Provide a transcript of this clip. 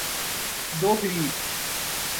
دوگریب